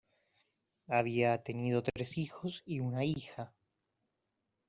Había tenido tres hijos y una hija.